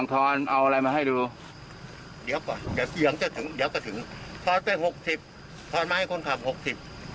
เค้ามาให้คนขาบหกสิบ